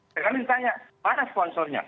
sekarang ditanya mana sponsornya